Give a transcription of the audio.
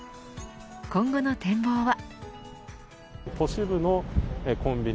今後の展望は。